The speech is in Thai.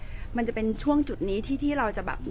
แต่ว่าสามีด้วยคือเราอยู่บ้านเดิมแต่ว่าสามีด้วยคือเราอยู่บ้านเดิม